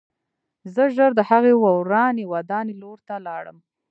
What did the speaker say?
زه ژر د هغې ورانې ودانۍ لور ته لاړم